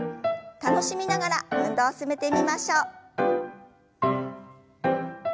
楽しみながら運動を進めてみましょう。